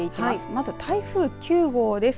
まず台風９号です。